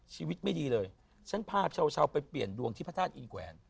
ชีวิตไม่ดีเลยฉันพาชาวไปเปลี่ยนดวงที่พระธาตุอินแหวน